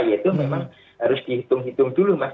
ya itu memang harus dihitung hitung dulu mas